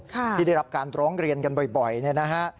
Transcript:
ที่ได้รับการตรงเรียนกันบ่อยนะครับ